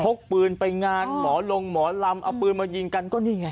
กปืนไปงานหมอลงหมอลำเอาปืนมายิงกันก็นี่ไง